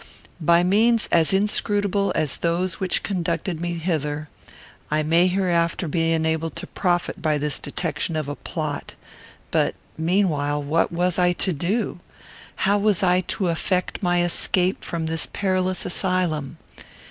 By means as inscrutable as those which conducted me hither, I may hereafter be enabled to profit by this detection of a plot. But, meanwhile, what was I to do? How was I to effect my escape from this perilous asylum?